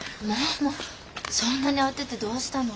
そんなに慌ててどうしたの？